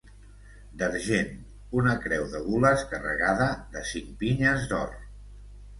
D'argent, una creu de gules carregada de cinc pinyes d'or.